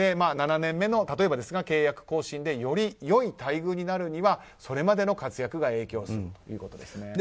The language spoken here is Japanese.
７年目の例えばですが契約更新でより良い待遇になるにはそれまでの活躍が影響するということですね。